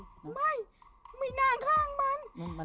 ไม่ไม่นั่งข้างมัน